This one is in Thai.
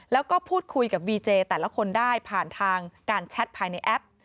แล้วก็พูดคุยกับวีเจแต่ละคนได้ผ่านทางการแชทภายในแอป